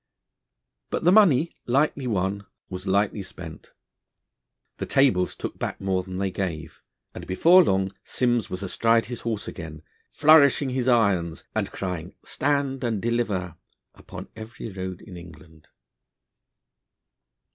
But the money, lightly won, was lightly spent. The tables took back more than they gave, and before long Simms was astride his horse again, flourishing his irons, and crying: 'Stand and deliver'! upon every road in England.